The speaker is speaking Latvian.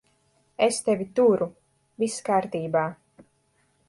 Es tevi turu. Viss kārtībā.